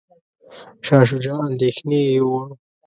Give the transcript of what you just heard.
شاه شجاع اندیښنې یووړ.